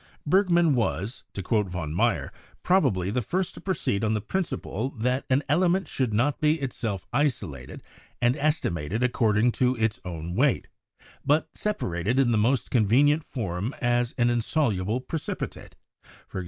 Bergman was, to quote von Meyer, "probably the first to proceed on the principle that an element should not be itself isolated and estimated according to its own weight, but separated in the most convenient form as an insoluble precipitate — e.g.